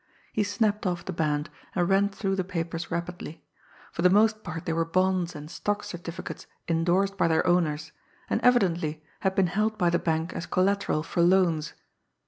He snapped off the band, and ran through the papers rapidly. For the most part they were bonds and stock certificates indorsed by their owners, and evidently had been held by the bank as collateral for loans.